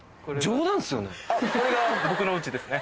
これが僕の家ですね。